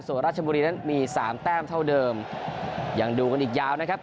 ส่วนราชบุรีนั้นมีสามแต้มเท่าเดิมยังดูกันอีกยาวนะครับ